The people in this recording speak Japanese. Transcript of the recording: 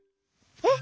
えっ？